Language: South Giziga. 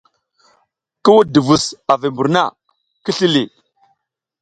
Ki wuɗ duvus a vi mbur na, ki sli ləh.